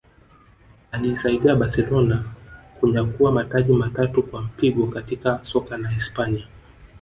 aliisaidia Barcelona kunyakua mataji matatu kwa mpigo katika soka la Hispania